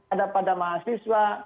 ada pada mahasiswa